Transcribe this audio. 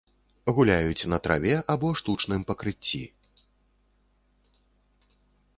Гуляюць на траве або штучным пакрыцці.